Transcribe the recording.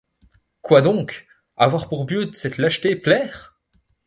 Quoi donc ! avoir pour but cette lâcheté, plaire !